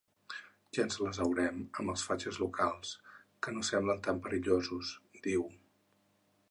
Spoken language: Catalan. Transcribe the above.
Ja ens les haurem amb els fatxes locals, que no semblen tan perillosos, diu.